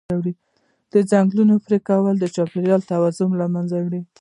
د ځنګلونو پرېکول د چاپېریال توازن له منځه وړي.